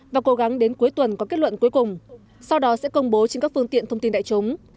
và cố gắng đến cuối tuần có kết luận cuối cùng sau đó sẽ công bố trên các phương tiện thông tin đại chúng